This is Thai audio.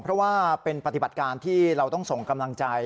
เพราะว่าเป็นปฏิบัติการที่เราต้องส่งกำลังใจ